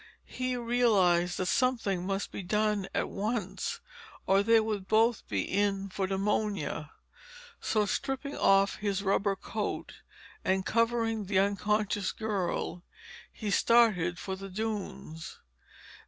He realized that something must be done at once, or they would both be in for pneumonia. So stripping off his rubber coat and covering the unconscious girl, he started for the dunes.